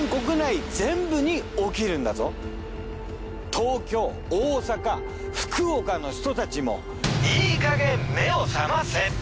東京大阪福岡の人たちもいいかげん目を覚ませ！